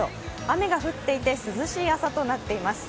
雨が降っていて涼しい朝となっています。